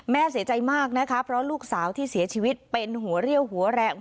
เสียใจมากนะคะเพราะลูกสาวที่เสียชีวิตเป็นหัวเรี่ยวหัวแรง